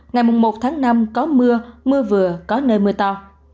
ngày một tháng năm có mưa mưa vừa có nơi mưa to